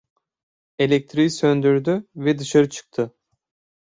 Elektriği söndürdü ve dışarı çıktı.